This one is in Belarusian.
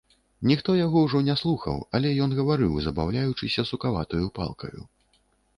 Ніхто ўжо яго не слухаў, але ён гаварыў, забаўляючыся сукаватаю палкаю.